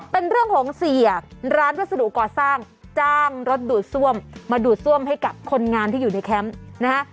เป็นเรื่องของเสียร้านวัสดุก่อสร้างจ้างรถดูดซ่วมมาดูดซ่วมให้กับคนงานที่อยู่ในแคมป์นะฮะ